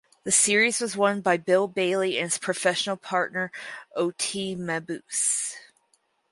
The series was won by Bill Bailey and his professional partner Oti Mabuse.